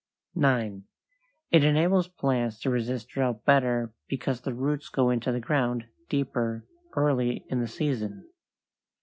9. It enables plants to resist drought better because the roots go into the ground deeper early in the season.